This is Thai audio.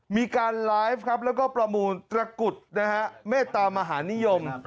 มีการไลฟ์ครับแล้วก็ประมูลตระกุดนะฮะเมตตามหานิยม